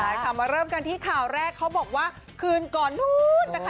ใช่ค่ะมาเริ่มกันที่ข่าวแรกเขาบอกว่าคืนก่อนนู้นนะคะ